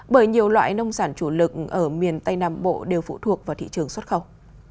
bởi nhiều loại nông sản chủ lực ở miền tây nam bộ đều phụ thuộc vào thị trường xuất khẩu